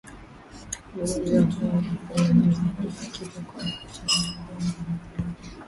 ugonjwa huu unaweza kuepukika kwa kuachana na ngono zembe